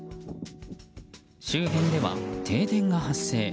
周辺では停電が発生。